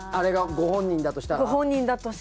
ご本人だとしたら。